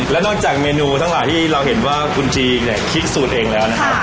และนอกจากเมนูทั้งหลายที่เราเห็นว่าคุณจีนเนี่ยคิดสูตรเองแล้วนะครับ